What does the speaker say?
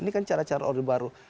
ini kan cara cara orde baru